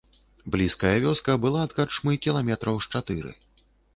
Блізкая вёска была ад карчмы кіламетраў з чатыры.